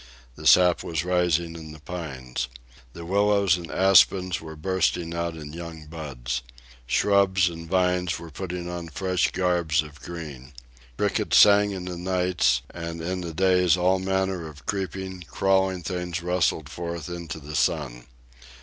The sap was rising in the pines. The willows and aspens were bursting out in young buds. Shrubs and vines were putting on fresh garbs of green. Crickets sang in the nights, and in the days all manner of creeping, crawling things rustled forth into the sun.